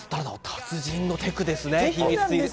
達人のテクですね。